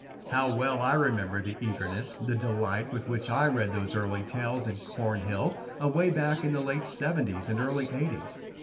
How well I remember the eagerness, the delight with which I read those early tales in "Cornhill" away back in the late seventies and early eighties.